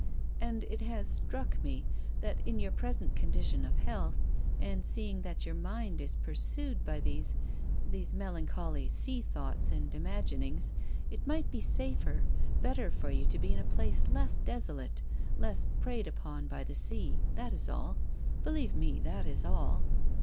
" And it has struck me that in your present condition of health, and seeing that your mind is pursued by these — these melancholy sea thoughts and imaginings, it might be safer, better for you to be in a place less desolate, less preyed upon by the sea. That is all. Believe me, that is all."